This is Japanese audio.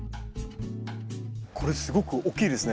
これすごく大きいですね。